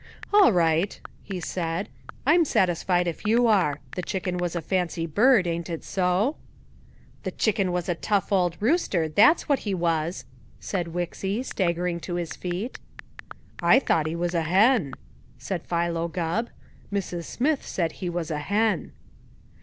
"All right," he said. "I'm satisfied if you are. The chicken was a fancy bird, ain't it so?" "The Chicken was a tough old rooster, that's what he was," said Wixy, staggering to his feet. "I thought he was a hen," said Philo Gubb. "Mrs. Smith said he was a hen."